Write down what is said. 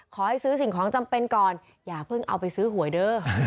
ขอให้ซื้อสิ่งของจำเป็นก่อนอย่าเพิ่งเอาไปซื้อหวยเด้อ